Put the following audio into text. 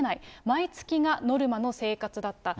毎月がノルマの生活だった。